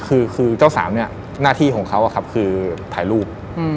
คือเจ้าสาวเนี่ยหน้าที่ของเขาคือถ่ายรูป